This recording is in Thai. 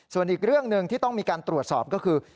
ส่วนอีกเรื่องหนึ่งที่ต้องมีการตรวจสอบก็คือ